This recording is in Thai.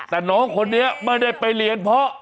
แต่น้องคนนี้ไม่ได้ไปเรียนเพราะ